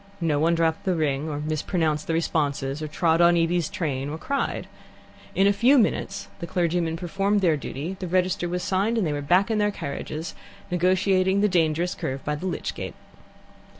No one dropped the ring or mispronounced the responses, or trod on Evie's train, or cried. In a few minutes the clergymen performed their duty, the register was signed, and they were back in their carriages, negotiating the dangerous curve by the lych gate.